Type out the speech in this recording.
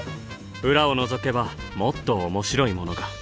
裏をのぞけばもっと面白いものが。